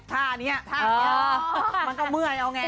ท่านี้มันก็เมื่อยเอาไง